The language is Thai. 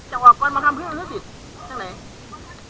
จะออกก่อนมาทำเพื่อนชื่อเศรษฐิษฐ์